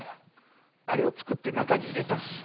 あれを作って中に入れたもん。